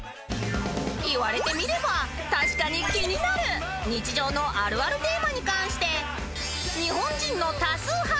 ［言われてみれば確かに気になる日常のあるあるテーマに関して日本人の多数派。